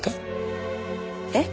えっ？